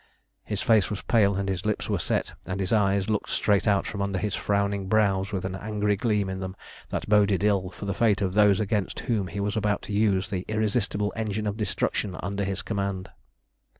His face was pale, and his lips were set, and his eyes looked straight out from under his frowning brows with an angry gleam in them that boded ill for the fate of those against whom he was about to use the irresistible engine of destruction under his command.